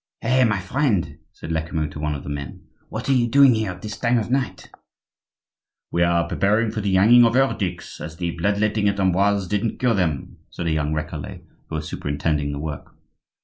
"Hey, my friend," said Lecamus to one of the men, "what are you doing here at this time of night?" "We are preparing for the hanging of heretics, as the blood letting at Amboise didn't cure them," said a young Recollet who was superintending the work.